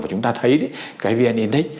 và chúng ta thấy cái vn index